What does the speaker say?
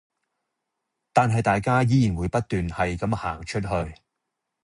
但係大家依然會不斷係咁行出去